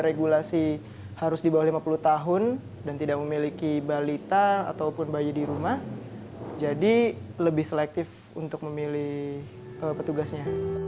regulasi harus di bawah lima puluh tahun dan tidak memiliki balita ataupun bayi di rumah jadi lebih selektif untuk memilih petugasnya